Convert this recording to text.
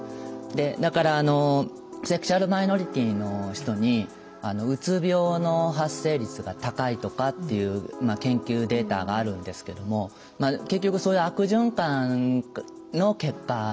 だからセクシュアルマイノリティの人にうつ病の発生率が高いとかっていう研究データがあるんですけども結局そういう悪循環の結果なんですね。